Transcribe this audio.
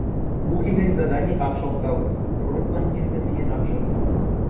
уке гӹнь задани ак шокталт, фронтлан киндӹ миэн ак шо.